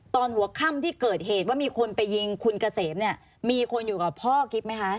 ตอนหัวค่ำที่เกิดเหตุว่ามีคนไปยิงคุณเกษมเนี่ยมีคนอยู่กับพ่อกิ๊บไหมคะ